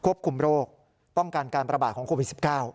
คุมโรคป้องกันการประบาดของโควิด๑๙